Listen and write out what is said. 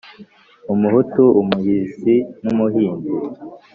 Umuhutu umuhisi n'umuhinzi